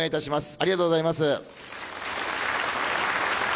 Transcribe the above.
ありがとうございます。